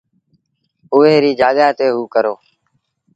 هئو ريٚ جآڳآ تي هئو ڪرو۔